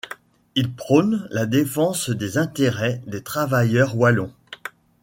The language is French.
Il prône la défense des intérêts des travailleurs wallons.